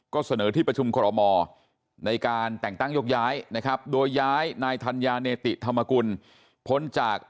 ก็เสนอที่ประชุมคอรมอในการแต่งตั้งยกย้ายนะครับโดยย้ายนายธัญญาเนติธรรมกุลพ้นจาก